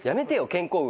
健康運